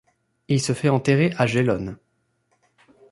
Il se fait enterrer à Gellone.